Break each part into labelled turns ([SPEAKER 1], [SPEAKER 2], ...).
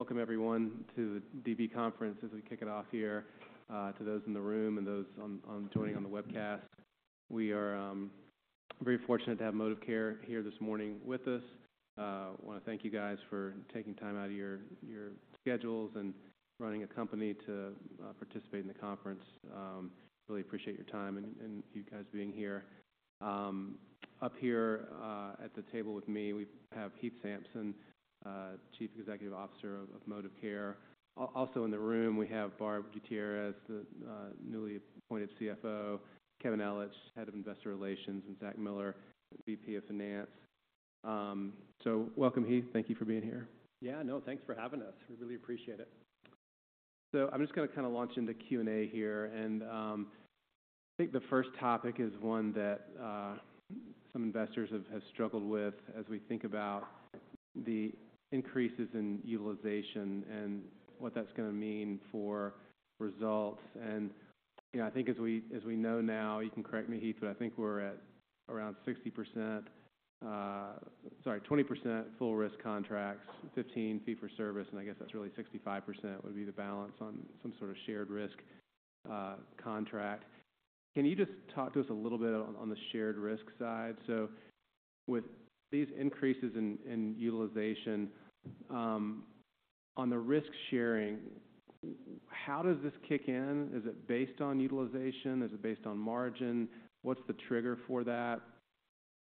[SPEAKER 1] Welcome everyone, to the DB Conference as we kick it off here, to those in the room and those on joining on the webcast. We are very fortunate to have Modivcare here this morning with us. I wanna thank you guys for taking time out of your schedules and running a company to participate in the conference. Really appreciate your time and you guys being here. Up here at the table with me, we have Heath Sampson, Chief Executive Officer of Modivcare. Also in the room, we have Barb Gutierrez, the newly appointed CFO, Kevin Ellich, Head of Investor Relations, and Zach Miller, VP of Finance. So welcome, Heath. Thank you for being here.
[SPEAKER 2] Yeah, no, thanks for having us. We really appreciate it.
[SPEAKER 1] So I'm just gonna kinda launch into Q&A here, and I think the first topic is one that some investors have struggled with as we think about the increases in utilization and what that's gonna mean for results. And, you know, I think as we know now, you can correct me, Heath, but I think we're at around 60%, 20% full risk contracts, 15 fee-for-service, and I guess that's really 65% would be the balance on some sort of shared risk contract. Can you just talk to us a little bit on the shared risk side? So with these increases in utilization on the risk sharing, how does this kick in? Is it based on utilization? Is it based on margin? What's the trigger for that?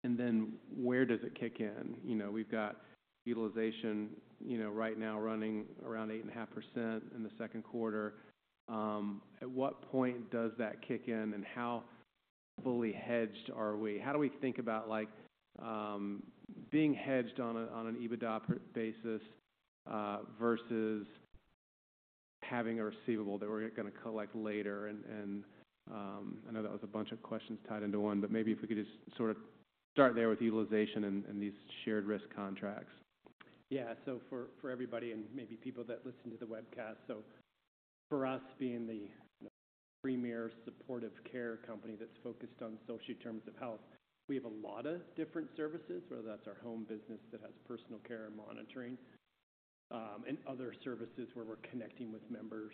[SPEAKER 1] And then where does it kick in? You know, we've got utilization, you know, right now running around 8.5% in the second quarter. At what point does that kick in, and how fully hedged are we? How do we think about, like, being hedged on a, on an EBITDA per basis, versus having a receivable that we're gonna collect later? I know that was a bunch of questions tied into one, but maybe if we could just sort of start there with utilization and these shared risk contracts.
[SPEAKER 2] Yeah, so for everybody and maybe people that listen to the webcast, so for us, being the premier supportive care company that's focused on social determinants of health, we have a lot of different services, whether that's our home business that has personal care and monitoring, and other services where we're connecting with members,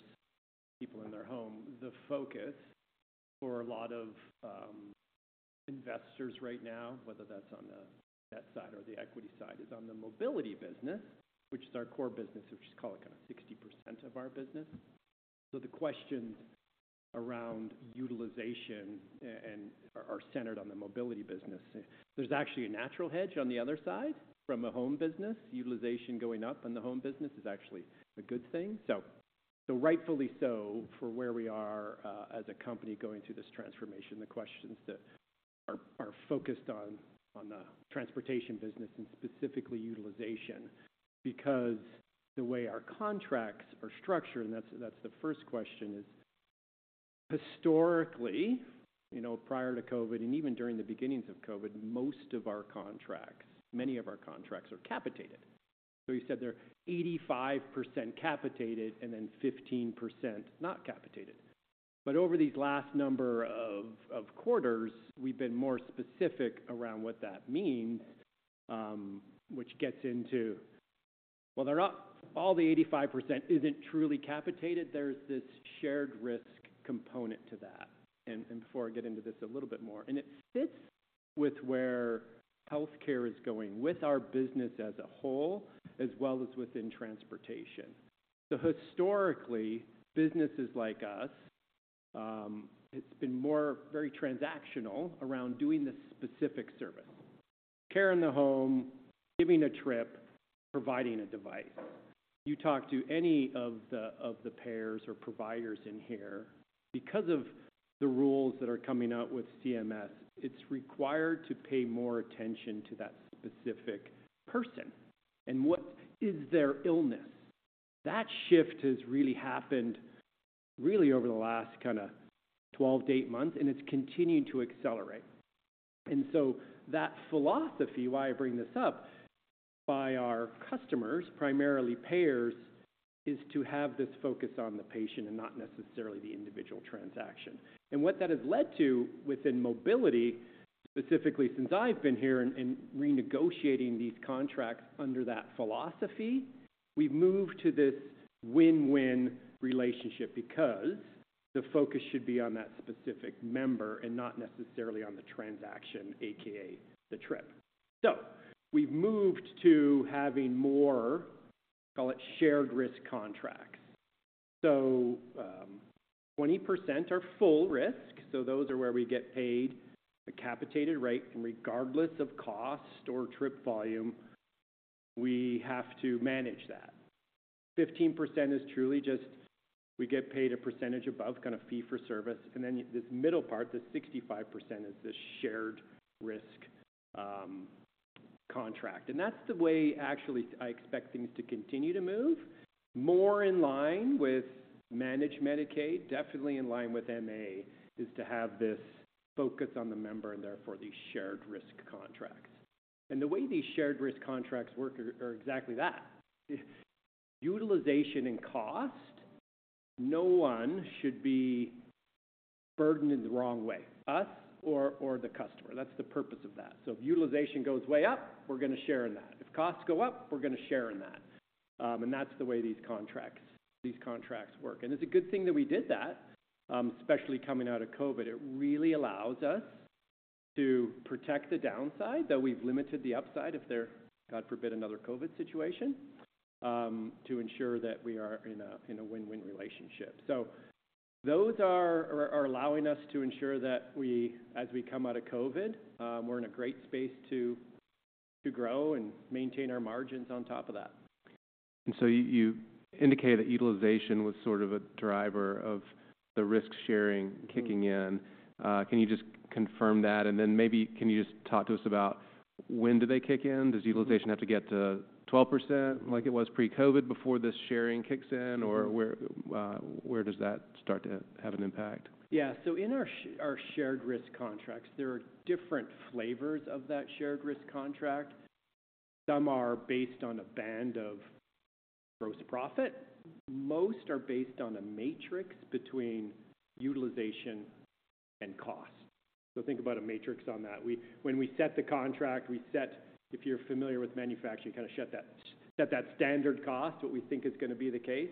[SPEAKER 2] people in their home. The focus for a lot of investors right now, whether that's on the debt side or the equity side, is on the mobility business, which is our core business, which is, call it, kinda 60% of our business. So the questions around utilization and are centered on the mobility business. There's actually a natural hedge on the other side from a home business. Utilization going up in the home business is actually a good thing. So rightfully so, for where we are as a company going through this transformation, the questions that are focused on the transportation business and specifically utilization. Because the way our contracts are structured, and that's the first question is, historically, you know, prior to COVID, and even during the beginnings of COVID, most of our contracts, many of our contracts are capitated. So you said they're 85% capitated and then 15% not capitated. But over these last number of quarters, we've been more specific around what that means, which gets into. Well, they're not- all the 85% isn't truly capitated. There's this shared risk component to that, and before I get into this a little bit more, and it fits with where healthcare is going, with our business as a whole, as well as within transportation. So historically, businesses like us, it's been more very transactional around doing the specific service: care in the home, giving a trip, providing a device. You talk to any of the, of the payers or providers in here, because of the rules that are coming out with CMS, it's required to pay more attention to that specific person and what is their illness. That shift has really happened really over the last kinda 12 to eight months, and it's continuing to accelerate. And so that philosophy, why I bring this up, by our customers, primarily payers, is to have this focus on the patient and not necessarily the individual transaction. And what that has led to within mobility, specifically since I've been here and, and renegotiating these contracts under that philosophy, we've moved to this win-win relationship because the focus should be on that specific member and not necessarily on the transaction, AKA the trip. So we've moved to having more, call it, shared risk contracts. So 20% are full risk, so those are where we get paid a capitated rate, and regardless of cost or trip volume, we have to manage that. Fifteen percent is truly just, we get paid a percentage above, kind of fee-for-service. And then this middle part, the 65%, is the shared risk contract. That's the way actually I expect things to continue to move, more in line with Managed Medicaid, definitely in line with MA, is to have this focus on the member and therefore these shared risk contracts. The way these shared risk contracts work are exactly that. Utilization and cost, no one should be burdened in the wrong way, us or the customer. That's the purpose of that. So if utilization goes way up, we're gonna share in that. If costs go up, we're gonna share in that. And that's the way these contracts work. It's a good thing that we did that, especially coming out of COVID. It really allows us to protect the downside, though we've limited the upside, if there, God forbid, another COVID situation, to ensure that we are in a win-win relationship. So those are allowing us to ensure that we, as we come out of COVID, we're in a great space to grow and maintain our margins on top of that.
[SPEAKER 1] So you, you indicated that utilization was sort of a driver of the risk-sharing kicking in. Can you just confirm that, and then maybe, can you just talk to us about when do they kick in? Does utilization have to get to 12% like it was pre-COVID, before this sharing kicks in, or where, where does that start to have an impact?
[SPEAKER 2] Yeah. So in our shared risk contracts, there are different flavors of that shared risk contract. Some are based on a band of gross profit. Most are based on a matrix between utilization and cost. So think about a matrix on that. When we set the contract, we set, if you're familiar with manufacturing, kind of set that, set that standard cost, what we think is gonna be the case,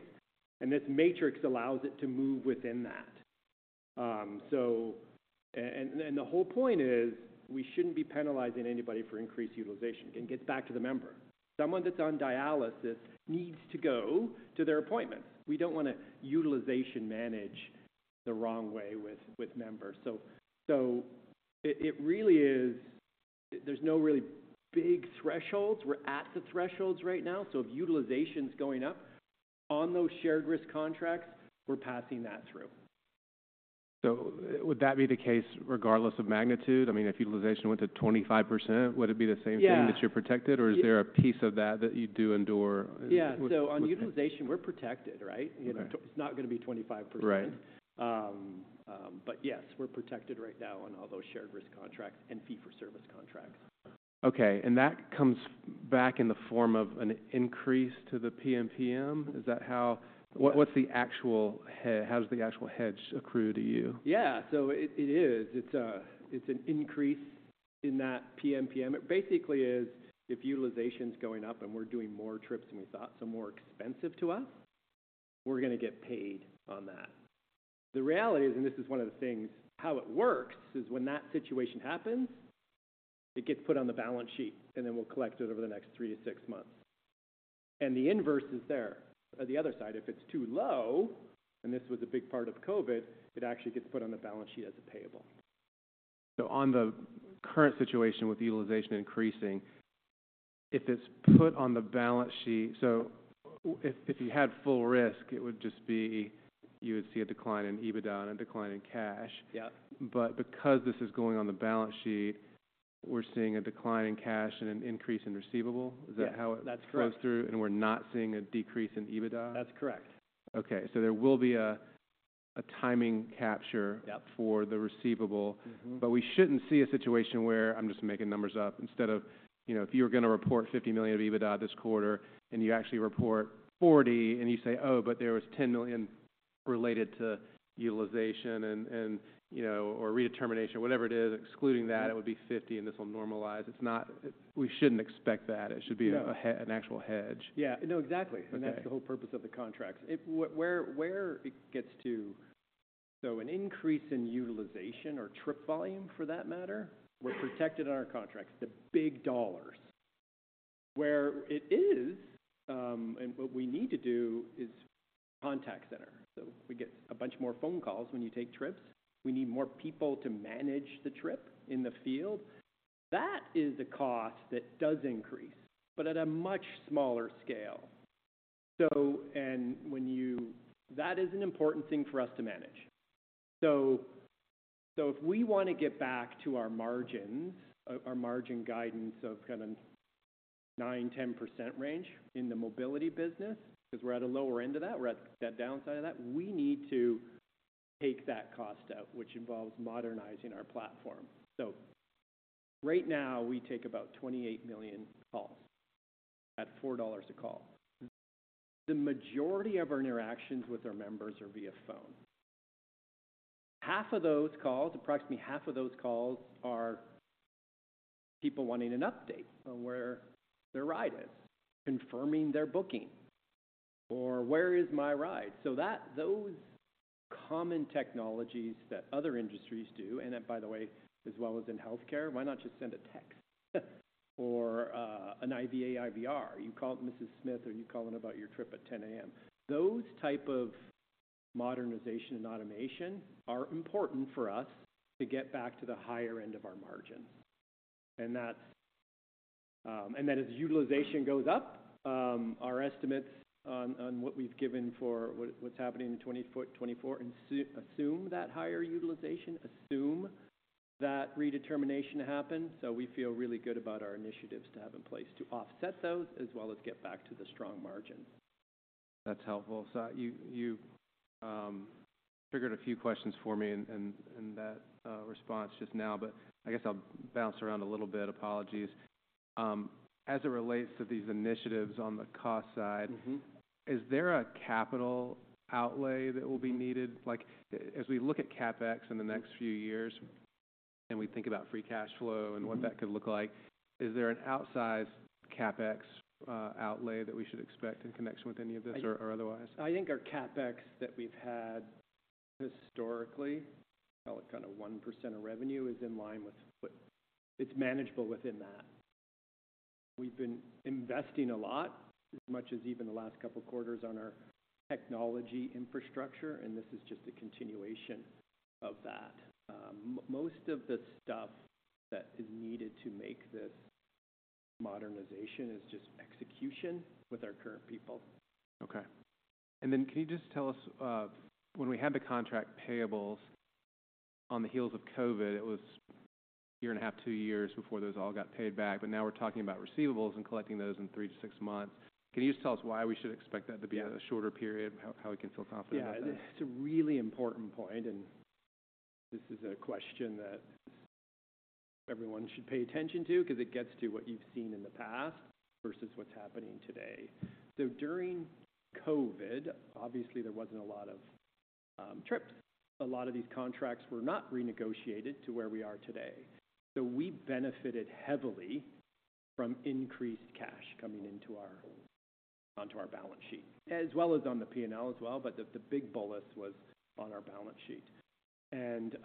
[SPEAKER 2] and this matrix allows it to move within that. So the whole point is, we shouldn't be penalizing anybody for increased utilization. It gets back to the member. Someone that's on dialysis needs to go to their appointment. We don't want to utilization manage the wrong way with members. So it really is. There's no really big thresholds. We're at the thresholds right now, so if utilization's going up on those shared risk contracts, we're passing that through.
[SPEAKER 1] So would that be the case regardless of magnitude? I mean, if utilization went to 25%, would it be the same thing-
[SPEAKER 2] Yeah
[SPEAKER 1] - that you're protected, or is there a piece of that, that you do endure?
[SPEAKER 2] Yeah.
[SPEAKER 1] So-
[SPEAKER 2] So on utilization, we're protected, right?
[SPEAKER 1] Okay.
[SPEAKER 2] You know, it's not gonna be 25%.
[SPEAKER 1] Right.
[SPEAKER 2] Yes, we're protected right now on all those shared risk contracts and fee-for-service contracts.
[SPEAKER 1] Okay, and that comes back in the form of an increase to the PMPM? Is that how, what, what's the actual how does the actual hedge accrue to you?
[SPEAKER 2] Yeah. So it is. It's an increase in that PMPM. It basically is, if utilization's going up and we're doing more trips than we thought, so more expensive to us, we're gonna get paid on that. The reality is, and this is one of the things, how it works, is when that situation happens, it gets put on the balance sheet, and then we'll collect it over the next three to six months. And the inverse is there. On the other side, if it's too low, and this was a big part of COVID, it actually gets put on the balance sheet as a payable.
[SPEAKER 1] On the current situation with utilization increasing, if it's put on the balance sheet. If you had full risk, it would just be, you would see a decline in EBITDA and a decline in cash.
[SPEAKER 2] Yeah.
[SPEAKER 1] Because this is going on the balance sheet, we're seeing a decline in cash and an increase in receivables.
[SPEAKER 2] Yeah.
[SPEAKER 1] Is that how it-
[SPEAKER 2] That's correct
[SPEAKER 1] goes through, and we're not seeing a decrease in EBITDA?
[SPEAKER 2] That's correct.
[SPEAKER 1] Okay. So there will be a timing capture-
[SPEAKER 2] Yeah
[SPEAKER 1] - for the receivable.
[SPEAKER 2] Mm-hmm.
[SPEAKER 1] But we shouldn't see a situation where, I'm just making numbers up, instead of, you know, if you were gonna report $50 million of EBITDA this quarter, and you actually report $40 million, and you say: "Oh, but there was $10 million related to utilization," and, you know, or redetermination, whatever it is, "excluding that, it would be $50 million, and this will normalize." It's not. We shouldn't expect that.
[SPEAKER 2] No.
[SPEAKER 1] It should be an actual hedge.
[SPEAKER 2] Yeah. No, exactly.
[SPEAKER 1] Okay.
[SPEAKER 2] That's the whole purpose of the contracts. Where it gets to. So an increase in utilization or trip volume, for that matter, we're protected in our contracts, the big dollars. Where it is, and what we need to do is contact center. So we get a bunch more phone calls when you take trips. We need more people to manage the trip in the field. That is a cost that does increase, but at a much smaller scale. That is an important thing for us to manage. So if we want to get back to our margins, our margin guidance of kind of 9%-10% range in the mobility business, 'cause we're at a lower end of that, we're at that downside of that, we need to take that cost out, which involves modernizing our platform. So right now, we take about 28 million calls at $4 a call. The majority of our interactions with our members are via phone. Half of those calls, approximately half of those calls are people wanting an update on where their ride is, confirming their booking, or "Where is my ride?" Those common technologies that other industries do, and by the way, as well as in healthcare, why not just send a text? Or an IVA, IVR. "You called, Mrs. Smith, are you calling about your trip at 10:00 A.M.?" Those type of modernization and automation are important for us to get back to the higher end of our margin. And that as utilization goes up, our estimates on what we've given for what's happening in 2024 assume that higher utilization, assume that redetermination happens. We feel really good about our initiatives to have in place to offset those, as well as get back to the strong margin.
[SPEAKER 1] That's helpful. So you figured a few questions for me in that response just now, but I guess I'll bounce around a little bit. Apologies. As it relates to these initiatives on the cost side.
[SPEAKER 2] Mm-hmm.
[SPEAKER 1] Is there a capital outlay that will be needed? Like, as we look at CapEx in the next few years, and we think about free cash flow and what that could look like, is there an outsized CapEx outlay that we should expect in connection with any of this or otherwise?
[SPEAKER 2] I think our CapEx that we've had historically, call it kind of 1% of revenue, is in line with what. It's manageable within that. We've been investing a lot, as much as even the last couple of quarters, on our technology infrastructure, and this is just a continuation of that. Most of the stuff that is needed to make this modernization is just execution with our current people.
[SPEAKER 1] Okay. And then can you just tell us, when we had the contract payables on the heels of COVID, it was a 1.5 year, two years before those all got paid back, but now we're talking about receivables and collecting those in three to six months. Can you just tell us why we should expect that to be-
[SPEAKER 2] Yeah
[SPEAKER 1] a shorter period? How, how we can feel confident about that?
[SPEAKER 2] Yeah, it's a really important point, and this is a question that everyone should pay attention to, because it gets to what you've seen in the past versus what's happening today. So during COVID, obviously, there wasn't a lot of trips. A lot of these contracts were not renegotiated to where we are today. So we benefited heavily from increased cash coming onto our balance sheet, as well as on the P&L as well, but the big plus was on our balance sheet. And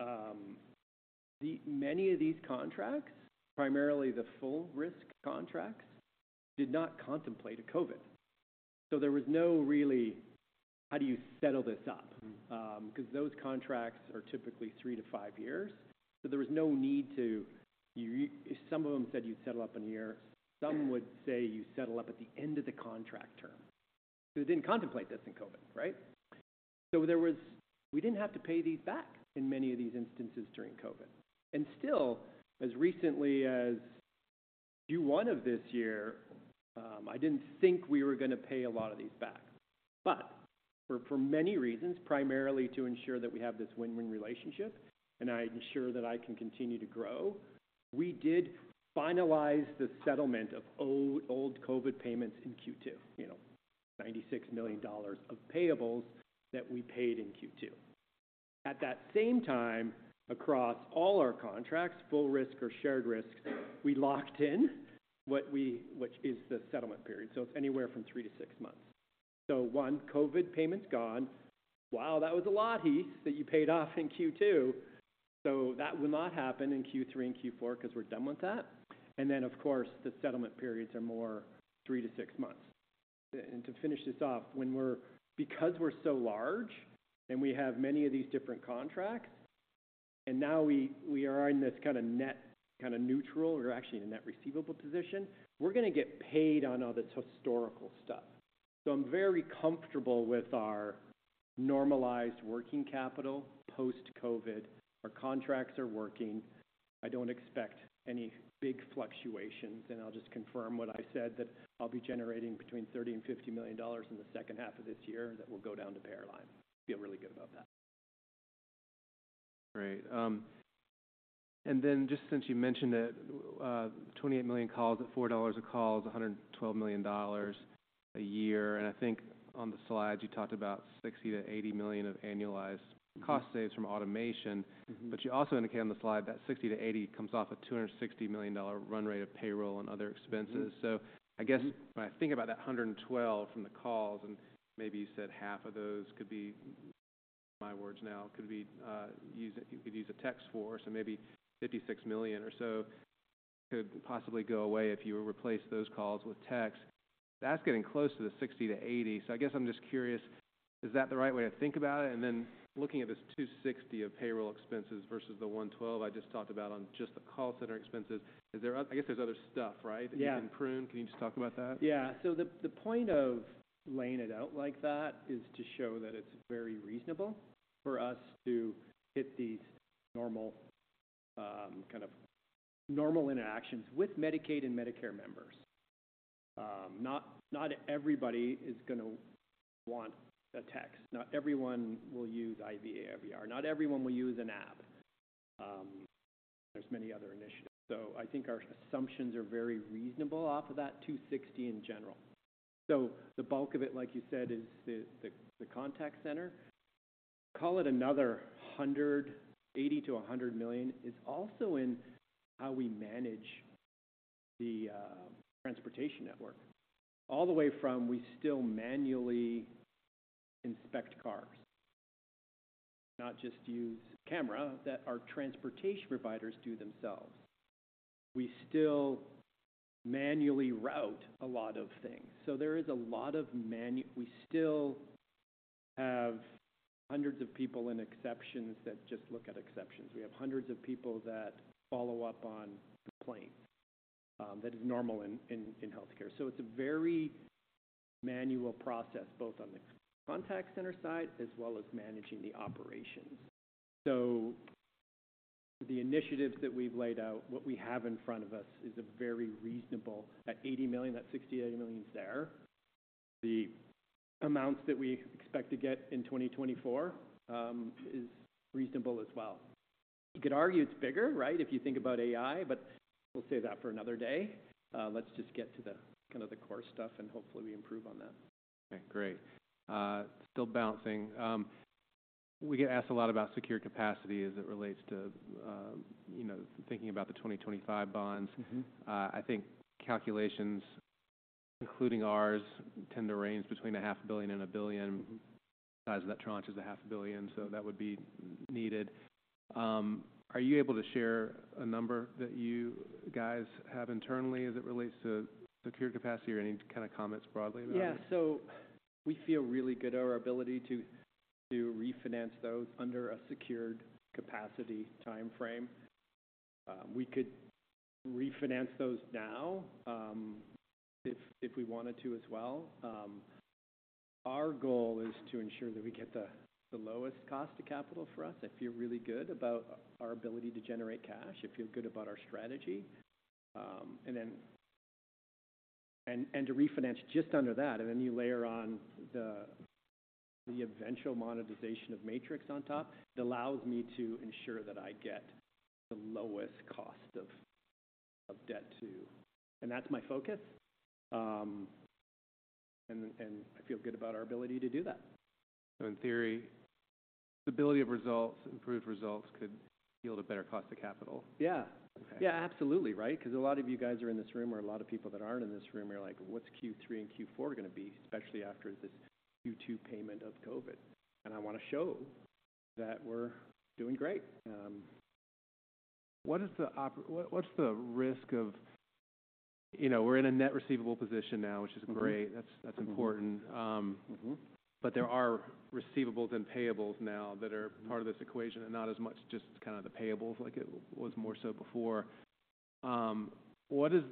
[SPEAKER 2] many of these contracts, primarily the full risk contracts, did not contemplate a COVID. So there was no really, "How do you settle this up?" because those contracts are typically 3-5 years, so there was no need to some of them said you'd settle up in a year, some would say you settle up at the end of the contract term. So we didn't contemplate this in COVID, right? So we didn't have to pay these back in many of these instances during COVID. And still, as recently as Q1 of this year, I didn't think we were going to pay a lot of these back. But for many reasons, primarily to ensure that we have this win-win relationship and I ensure that I can continue to grow, we did finalize the settlement of old, old COVID payments in Q2, you know, $96 million of payables that we paid in Q2. At that same time, across all our contracts, full risk or shared risk, we locked in which is the settlement period, so it's anywhere from three to six months. So one, COVID payment's gone. Wow, that was a lot, Heath, that you paid off in Q2. So that will not happen in Q3 and Q4 because we're done with that. And then, of course, the settlement periods are more three to six months. And to finish this off, because we're so large and we have many of these different contracts, and now we are in this kind of net, kind of neutral, we're actually in a net receivable position, we're going to get paid on all the historical stuff. So I'm very comfortable with our normalized working capital post-COVID. Our contracts are working. I don't expect any big fluctuations, and I'll just confirm what I said, that I'll be generating between $30 million and $50 million in the second half of this year that will go down to the airline. Feel really good about that.
[SPEAKER 1] Great. And then just since you mentioned it, 28 million calls at $4 a call is $112 million a year. And I think on the slide, you talked about 60 million-80 million of annualized-
[SPEAKER 2] Mm-hmm.
[SPEAKER 1] -cost savings from automation.
[SPEAKER 2] Mm-hmm.
[SPEAKER 1] But you also indicated on the slide that 60-80 comes off a $260 million run rate of payroll and other expenses.
[SPEAKER 2] Mm-hmm.
[SPEAKER 1] So I guess-
[SPEAKER 2] Mm-hmm.
[SPEAKER 1] When I think about that $112 from the calls, and maybe you said half of those could be, my words now, could be used—you could use a text for, so maybe $56 million or so could possibly go away if you replace those calls with text. That's getting close to the $60-$80. So I guess I'm just curious, is that the right way to think about it? And then looking at this $260 of payroll expenses versus the $112 I just talked about on just the call center expenses, is there other—I guess there's other stuff, right?
[SPEAKER 2] Yeah.
[SPEAKER 1] That you can prune. Can you just talk about that?
[SPEAKER 2] Yeah. So the point of laying it out like that is to show that it's very reasonable for us to hit these normal kind of normal interactions with Medicaid and Medicare members. Not everybody is going to want a text. Not everyone will use IVR. Not everyone will use an app. There's many other initiatives. So I think our assumptions are very reasonable off of that $260 million in general. So the bulk of it, like you said, is the contact center. Call it another $180 million-$100 million is also in how we manage the transportation network. All the way from we still manually inspect cars, not just use camera that our transportation providers do themselves. We still manually route a lot of things. So there is a lot of-- We still have hundreds of people in exceptions that just look at exceptions. We have hundreds of people that follow up on claims, that is normal in healthcare. So it's a very manual process, both on the contact center side as well as managing the operations. So the initiatives that we've laid out, what we have in front of us is a very reasonable. That $80 million, that $60 million-$80 million is there. The amounts that we expect to get in 2024 is reasonable as well. You could argue it's bigger, right? If you think about AI, but we'll save that for another day. Let's just get to the kind of the core stuff, and hopefully we improve on that.
[SPEAKER 1] Okay, great. Still balancing. We get asked a lot about secure capacity as it relates to, you know, thinking about the 2025 bonds.
[SPEAKER 2] Mm-hmm.
[SPEAKER 1] I think calculations, including ours, tend to range between $500 million and $1 billion. Size of that tranche is $500 million, so that would be needed. Are you able to share a number that you guys have internally as it relates to secure capacity or any kind of comments broadly about it?
[SPEAKER 2] Yeah. So we feel really good about our ability to refinance those under a secured capacity timeframe. We could refinance those now, if we wanted to as well. Our goal is to ensure that we get the lowest cost of capital for us. I feel really good about our ability to generate cash. I feel good about our strategy, and then to refinance just under that, and then you layer on the eventual monetization of Matrix on top, it allows me to ensure that I get the lowest cost of debt too. And that's my focus, and I feel good about our ability to do that.
[SPEAKER 1] So in theory, stability of results, improved results could yield a better cost to capital?
[SPEAKER 2] Yeah.
[SPEAKER 1] Okay.
[SPEAKER 2] Yeah, absolutely, right? Because a lot of you guys are in this room, or a lot of people that aren't in this room are like: "What's Q3 and Q4 going to be? Especially after this Q2 payment of COVID." And I want to show that we're doing great.
[SPEAKER 1] What, what's the risk of, you know, we're in a net receivable position now, which is great.
[SPEAKER 2] Mm-hmm.
[SPEAKER 1] That's important.
[SPEAKER 2] Mm-hmm.
[SPEAKER 1] But there are receivables and payables now that are part of this equation, and not as much just kind of the payables like it was more so before. What is—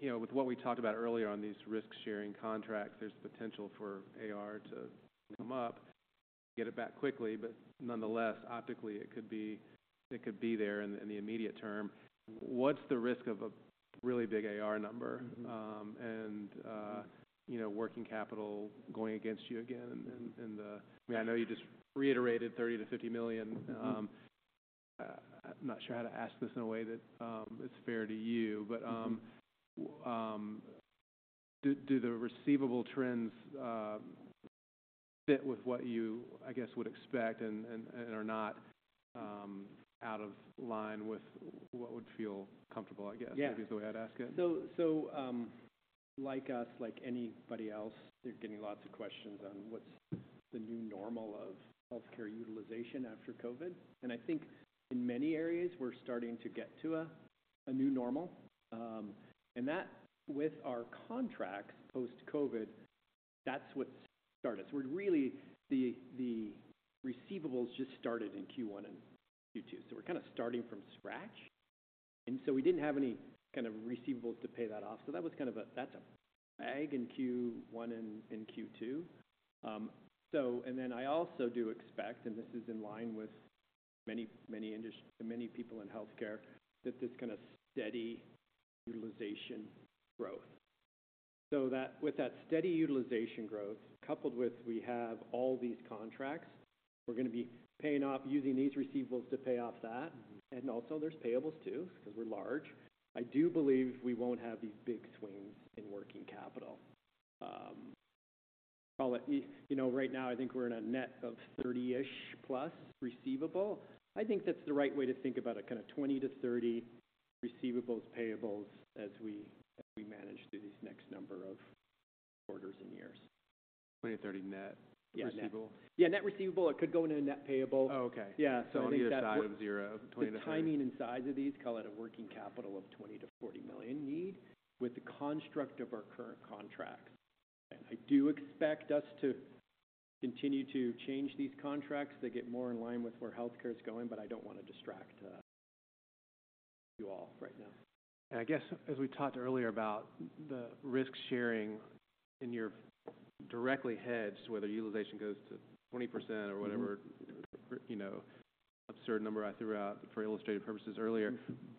[SPEAKER 1] You know, with what we talked about earlier on these risk-sharing contracts, there's potential for AR to come up, get it back quickly, but nonetheless, optically, it could be, it could be there in, in the immediate term. What's the risk of a really big AR number?
[SPEAKER 2] Mm-hmm.
[SPEAKER 1] you know, working capital going against you again. I mean, I know you just reiterated $30 million-$50 million.
[SPEAKER 2] Mm-hmm.
[SPEAKER 1] I'm not sure how to ask this in a way that is fair to you.
[SPEAKER 2] Mm-hmm.
[SPEAKER 1] But, do the receivable trends fit with what you, I guess, would expect and are not out of line with what would feel comfortable, I guess?
[SPEAKER 2] Yeah
[SPEAKER 1] Maybe is the way I'd ask it?
[SPEAKER 2] So, like us, like anybody else, they're getting lots of questions on what's the new normal of healthcare utilization after COVID. And I think in many areas, we're starting to get to a new normal. And with our contracts post-COVID, that's what started us. We're really the receivables just started in Q1 and Q2, so we're kind of starting from scratch. And so we didn't have any kind of receivables to pay that off. So that was kind of a drag in Q1 and Q2. And then I also do expect, and this is in line with many people in healthcare, that this kind of steady utilization growth. With that steady utilization growth, coupled with we have all these contracts, we're gonna be paying off, using these receivables to pay off that.
[SPEAKER 1] Mm-hmm.
[SPEAKER 2] Also, there's payables, too, 'cause we're large. I do believe we won't have these big swings in working capital. Call it, you know, right now, I think we're in a net of 30-ish plus receivable. I think that's the right way to think about it, kind of 20-30 receivables, payables as we manage through these next number of quarters and years.
[SPEAKER 1] 20-30 net-
[SPEAKER 2] Yeah, net
[SPEAKER 1] -receivable?
[SPEAKER 2] Yeah, net receivable. It could go into a net payable.
[SPEAKER 1] Oh, okay.
[SPEAKER 2] Yeah, so I think that-
[SPEAKER 1] On either side of zero, 20 to 30.
[SPEAKER 2] The timing and size of these, call it a working capital of $20 million-$40 million need, with the construct of our current contracts. I do expect us to continue to change these contracts. They get more in line with where healthcare is going, but I don't want to distract, you all right now.
[SPEAKER 1] I guess, as we talked earlier about the risk-sharing in your directly hedged, whether utilization goes to 20% or whatever-
[SPEAKER 2] Mm-hmm
[SPEAKER 1] you know, absurd number I threw out for illustrative purposes earlier.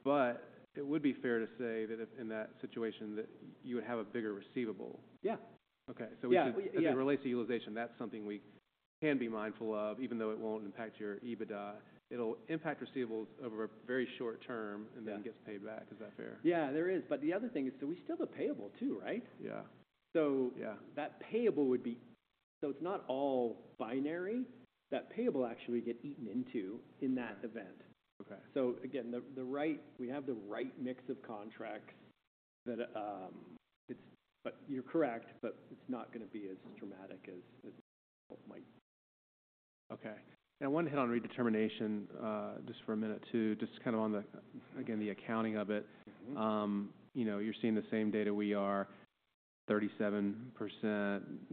[SPEAKER 2] Mm-hmm.
[SPEAKER 1] It would be fair to say that if in that situation, that you would have a bigger receivable?
[SPEAKER 2] Yeah.
[SPEAKER 1] Okay.
[SPEAKER 2] Yeah, yeah.
[SPEAKER 1] As it relates to utilization, that's something we can be mindful of, even though it won't impact your EBITDA. It'll impact receivables over a very short term-
[SPEAKER 2] Yeah
[SPEAKER 1] and then gets paid back. Is that fair?
[SPEAKER 2] Yeah, there is. But the other thing is, so we still have a payable too, right?
[SPEAKER 1] Yeah.
[SPEAKER 2] So-
[SPEAKER 1] Yeah
[SPEAKER 2] that payable would be. So it's not all binary. That payable actually would get eaten into in that event.
[SPEAKER 1] Okay.
[SPEAKER 2] So again, we have the right mix of contracts that it's. But you're correct, but it's not gonna be as dramatic as it might.
[SPEAKER 1] Okay. I want to hit on redetermination, just for a minute, too, just kind of on the, again, the accounting of it.
[SPEAKER 2] Mm-hmm.
[SPEAKER 1] You know, you're seeing the same data we are, 37%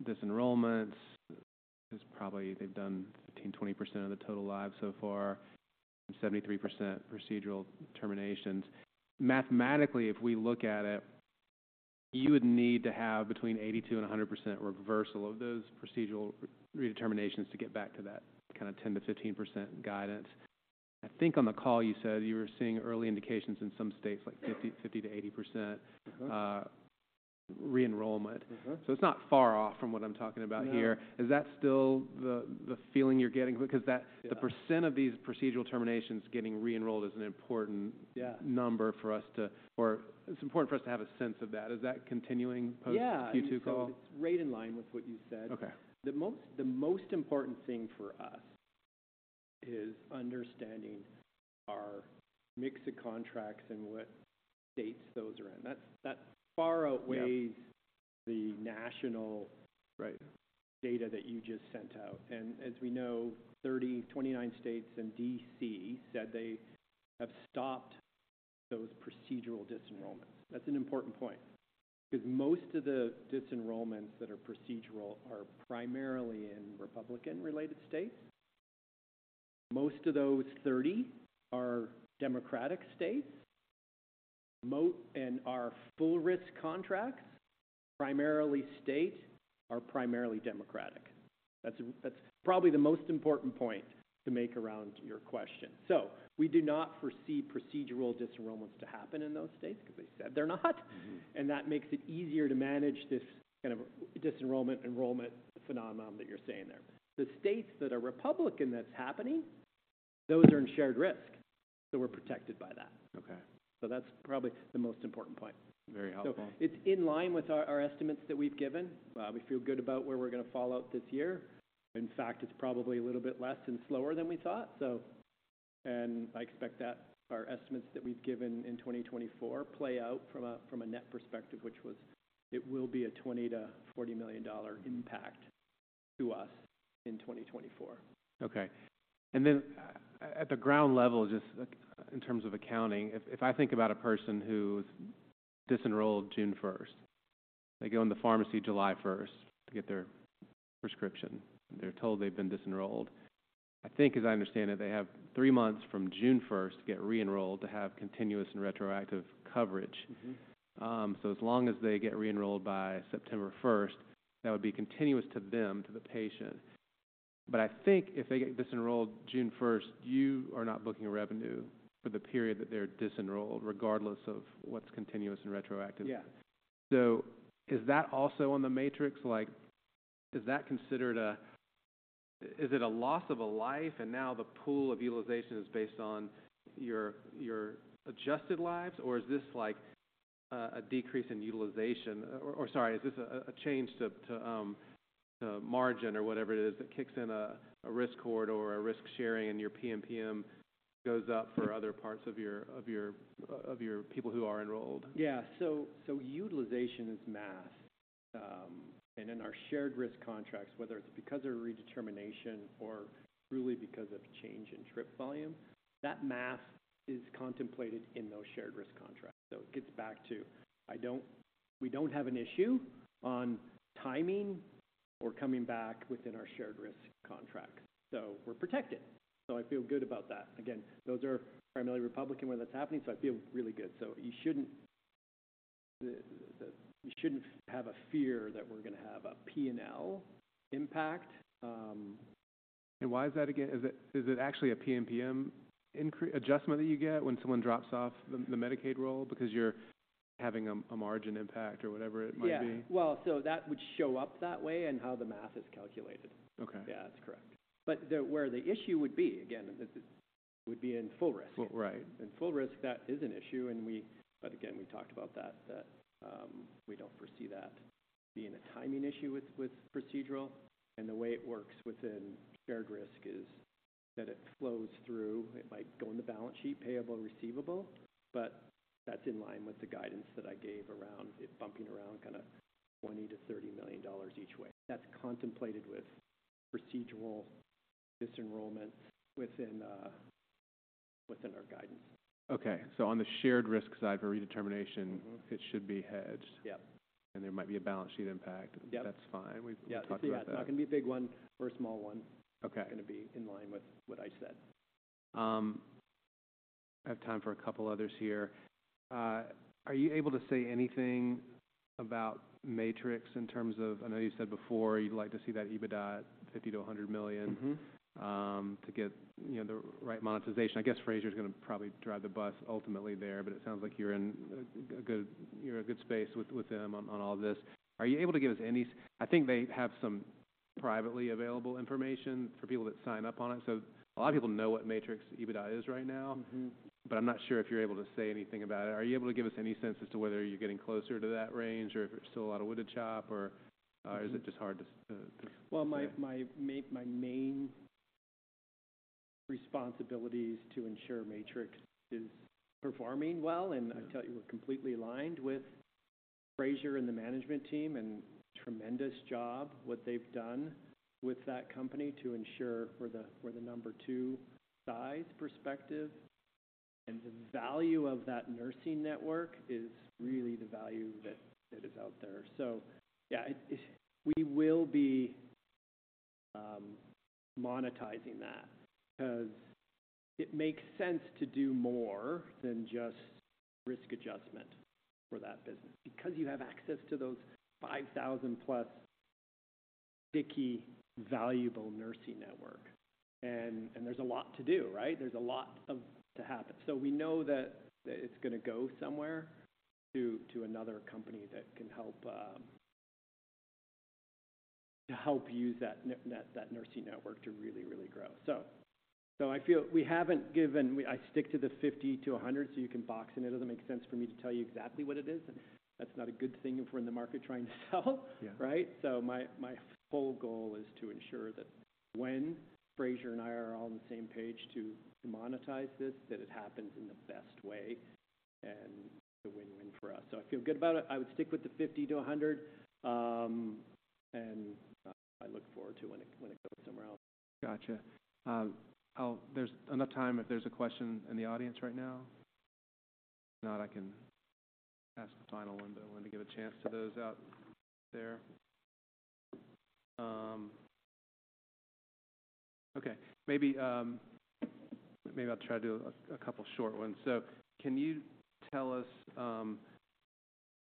[SPEAKER 1] disenrollments. It's probably they've done 15%-20% of the total live so far, and 73% procedural terminations. Mathematically, if we look at it, you would need to have between 82% and 100% reversal of those procedural redeterminations to get back to that kind of 10%-15% guidance. I think on the call, you said you were seeing early indications in some states, like 50%, 50%-80% re-enrollment.
[SPEAKER 2] Mm-hmm.
[SPEAKER 1] It's not far off from what I'm talking about here.
[SPEAKER 2] No.
[SPEAKER 1] Is that still the feeling you're getting? Because that-
[SPEAKER 2] Yeah.
[SPEAKER 1] the percent of these procedural terminations getting re-enrolled is an important-
[SPEAKER 2] Yeah.
[SPEAKER 1] - number for us to, or it's important for us to have a sense of that. Is that continuing post-
[SPEAKER 2] Yeah
[SPEAKER 1] Q2 call?
[SPEAKER 2] It's right in line with what you said.
[SPEAKER 1] Okay.
[SPEAKER 2] The most important thing for us is understanding our mix of contracts and what states those are in. That far outweighs-
[SPEAKER 1] Yeah
[SPEAKER 2] the national-
[SPEAKER 1] Right
[SPEAKER 2] data that you just sent out. And as we know, 29 states and D.C. said they have stopped those procedural disenrollments. That's an important point, 'cause most of the disenrollments that are procedural are primarily in Republican-related states. Most of those 30 are Democratic states. And our full risk contracts, primarily state, are primarily Democratic. That's, that's probably the most important point to make around your question. So we do not foresee procedural disenrollments to happen in those states because they said they're not.
[SPEAKER 1] Mm-hmm.
[SPEAKER 2] That makes it easier to manage this kind of dis-enrollment, enrollment phenomenon that you're seeing there. The states that are Republican, that's happening, those are in shared risk, so we're protected by that.
[SPEAKER 1] Okay.
[SPEAKER 2] That's probably the most important point.
[SPEAKER 1] Very helpful.
[SPEAKER 2] So it's in line with our, our estimates that we've given. We feel good about where we're gonna fall out this year. In fact, it's probably a little bit less and slower than we thought. So, and I expect that our estimates that we've given in 2024 play out from a, from a net perspective, which was it will be a $20 million-$40 million impact-
[SPEAKER 1] Mm-hmm
[SPEAKER 2] to us in 2024.
[SPEAKER 1] Okay. And then at the ground level, just in terms of accounting, if I think about a person who's disenrolled June first, they go in the pharmacy July first to get their prescription. They're told they've been disenrolled. I think, as I understand it, they have three months from June first to get reenrolled to have continuous and retroactive coverage.
[SPEAKER 2] Mm-hmm.
[SPEAKER 1] So as long as they get re-enrolled by September 1st, that would be continuous to them, to the patient. But I think if they get dis-enrolled June 1st, you are not booking revenue for the period that they're dis-enrolled, regardless of what's continuous and retroactive.
[SPEAKER 2] Yeah.
[SPEAKER 1] So is that also on the Matrix? Like, is that considered a. Is it a loss of a life, and now the pool of utilization is based on your adjusted lives? Or is this like, a decrease in utilization? Or sorry, is this a change to margin or whatever it is, that kicks in a risk corridor or a risk sharing, and your PMPM goes up for other parts of your people who are enrolled?
[SPEAKER 2] Yeah. So, so utilization is math. And in our shared risk contracts, whether it's because of a redetermination or truly because of change in trip volume, that math is contemplated in those shared risk contracts. So it gets back to, I don't- we don't have an issue on timing or coming back within our shared risk contracts, so we're protected. So I feel good about that. Again, those are primarily Republican, where that's happening, so I feel really good. So you shouldn't, the, the, you shouldn't have a fear that we're gonna have a P&L impact.
[SPEAKER 1] Why is that again? Is it actually a PMPM increase, adjustment that you get when someone drops off the Medicaid roll because you're having a margin impact or whatever it might be?
[SPEAKER 2] Yeah. Well, so that would show up that way and how the math is calculated.
[SPEAKER 1] Okay.
[SPEAKER 2] Yeah, that's correct. But where the issue would be, again, this is, would be in full risk.
[SPEAKER 1] Full, right.
[SPEAKER 2] In full risk, that is an issue, and we—but again, we talked about that, that we don't foresee that being a timing issue with procedural. And the way it works within shared risk is that it flows through. It might go on the balance sheet, payable, or receivable, but that's in line with the guidance that I gave around it bumping around kinda $20 million-$30 million each way. That's contemplated with procedural disenrollment within our guidance.
[SPEAKER 1] Okay. So on the shared risk side for redetermination-
[SPEAKER 2] Mm-hmm.
[SPEAKER 1] It should be hedged?
[SPEAKER 2] Yeah.
[SPEAKER 1] There might be a balance sheet impact.
[SPEAKER 2] Yeah.
[SPEAKER 1] That's fine. We've talked about that.
[SPEAKER 2] Yeah. It's not gonna be a big one or a small one.
[SPEAKER 1] Okay.
[SPEAKER 2] It's gonna be in line with what I said.
[SPEAKER 1] I have time for a couple others here. Are you able to say anything about Matrix in terms of. I know you said before you'd like to see that EBITDA $50 million-$100 million-
[SPEAKER 2] Mm-hmm
[SPEAKER 1] to get, you know, the right monetization. I guess Frazier's gonna probably drive the bus ultimately there, but it sounds like you're in a good space with them on all this. Are you able to give us any? I think they have some privately available information for people that sign up on it, so a lot of people know what Matrix EBITDA is right now.
[SPEAKER 2] Mm-hmm.
[SPEAKER 1] But I'm not sure if you're able to say anything about it. Are you able to give us any sense as to whether you're getting closer to that range, or if there's still a lot of wood to chop, or is it just hard to, to-
[SPEAKER 2] Well, my main responsibility is to ensure Matrix is performing well, and I tell you, we're completely aligned with Frazier and the management team, and tremendous job what they've done with that company to ensure we're the, we're the number two size perspective. And the value of that nursing network is really the value that, that is out there. So yeah, it. We will be monetizing that 'cause it makes sense to do more than just risk adjustment for that business. Because you have access to those 5,000+ sticky, valuable nursing network. And there's a lot to do, right? There's a lot to happen. So we know that it's gonna go somewhere to another company that can help to help use that that nursing network to really, really grow. I feel we haven't given. I stick to the 50-100, so you can box in. It doesn't make sense for me to tell you exactly what it is, and that's not a good thing if we're in the market trying to sell.
[SPEAKER 1] Yeah.
[SPEAKER 2] Right? So my whole goal is to ensure that when Frazier and I are all on the same page to monetize this, that it happens in the best way and it's a win-win for us. So I feel good about it. I would stick with the 50-100, and I look forward to when it goes somewhere else.
[SPEAKER 1] Gotcha. I'll. There's enough time if there's a question in the audience right now. If not, I can ask the final one, but I want to give a chance to those out there. Okay. Maybe, maybe I'll try to do a couple short ones. So can you tell us,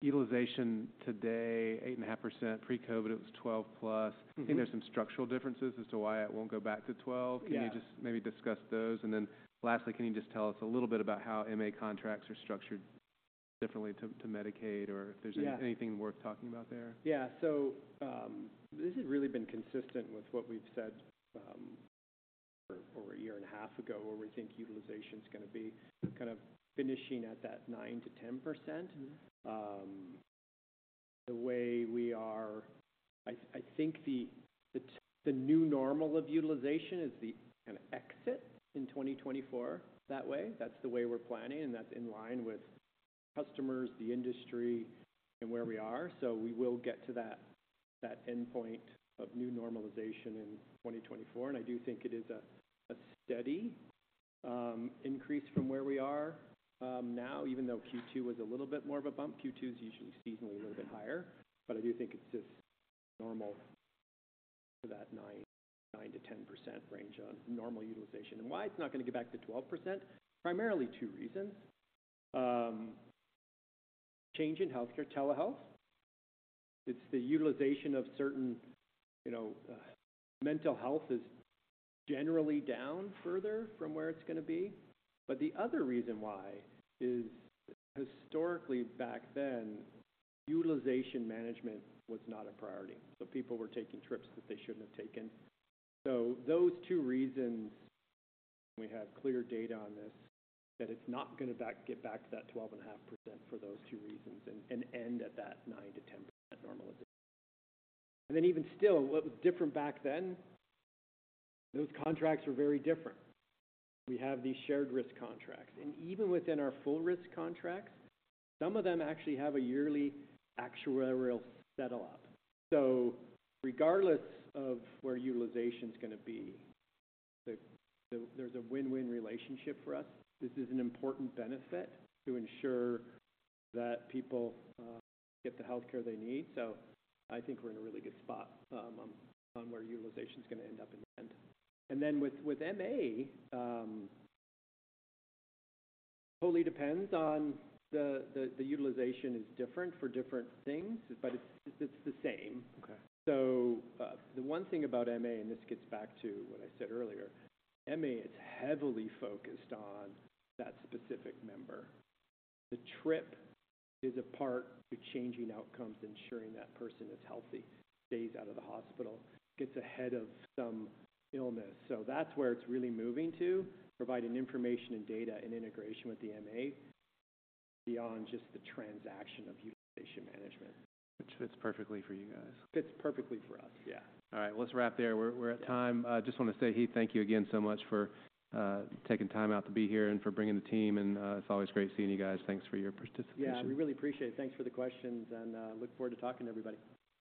[SPEAKER 1] utilization today, 8.5%, pre-COVID, it was 12+.
[SPEAKER 2] Mm-hmm.
[SPEAKER 1] I think there's some structural differences as to why it won't go back to 12.
[SPEAKER 2] Yeah.
[SPEAKER 1] Can you just maybe discuss those? And then lastly, can you just tell us a little bit about how MA contracts are structured differently to, to Medicaid or if there's-
[SPEAKER 2] Yeah
[SPEAKER 1] anything worth talking about there?
[SPEAKER 2] Yeah. So, this has really been consistent with what we've said over a year and a half ago, where we think utilization is gonna be kind of finishing at that 9%-10%.
[SPEAKER 1] Mm-hmm.
[SPEAKER 2] The way we are—I think the new normal of utilization is the kind of exit in 2024, that way. That's the way we're planning, and that's in line with customers, the industry, and where we are. So we will get to that endpoint of new normalization in 2024, and I do think it is a steady increase from where we are now, even though Q2 was a little bit more of a bump. Q2 is usually seasonally a little bit higher, but I do think it's just normal for that 9%-10% range on normal utilization. And why it's not gonna get back to 12%, primarily two reasons. Change in healthcare, telehealth, it's the utilization of certain, you know, mental health is generally down further from where it's gonna be. But the other reason why is historically back then, utilization management was not a priority, so people were taking trips that they shouldn't have taken. So those two reasons, and we have clear data on this, that it's not gonna get back to that 12.5% for those two reasons and, and end at that 9%-10% normalization. And then even still, what was different back then, those contracts were very different. We have these shared risk contracts, and even within our full risk contracts, some of them actually have a yearly actuarial settle-up. So regardless of where utilization is gonna be, there's a win-win relationship for us. This is an important benefit to ensure that people get the healthcare they need. So I think we're in a really good spot on where utilization is gonna end up in the end. And then with MA totally depends on the utilization is different for different things, but it's the same.
[SPEAKER 1] Okay.
[SPEAKER 2] So, the one thing about MA, and this gets back to what I said earlier, MA is heavily focused on that specific member. The trip is a part to changing outcomes, ensuring that person is healthy, stays out of the hospital, gets ahead of some illness. So that's where it's really moving to, providing information and data and integration with the MA beyond just the transaction of utilization management.
[SPEAKER 1] Which fits perfectly for you guys.
[SPEAKER 2] Fits perfectly for us, yeah.
[SPEAKER 1] All right. Well, let's wrap there. We're at time. I just want to say, Heath, thank you again so much for taking time out to be here and for bringing the team, and it's always great seeing you guys. Thanks for your participation.
[SPEAKER 2] Yeah, we really appreciate it. Thanks for the questions, and look forward to talking to everybody.